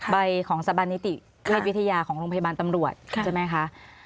ใบของสถาบันนิติเวชวิทยาของโรงพยาบาลตำรวจใช่ไหมคะ